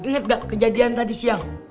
ingat gak kejadian tadi siang